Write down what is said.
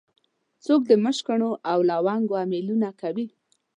څوک د مشکڼو او لونګو امېلونه کوي